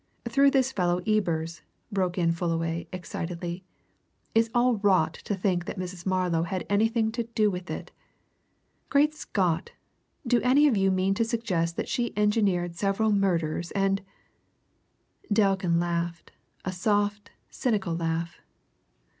"Through this fellow Ebers!" broke in Fullaway excitedly. "It's all rot to think that Mrs. Marlow had anything to do with it! Great Scott! do any of you mean to suggest that she engineered several murders, and " Delkin laughed a soft, cynical laugh.